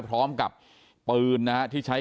พร้อมกับปืนนะฮะที่ใช้